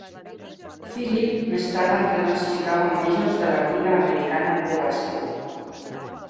Phillip més tard va entrenar els Chicago Majors de la Lliga Americana de Bàsquet.